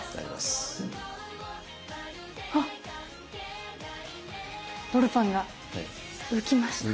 あっロールパンが浮きました！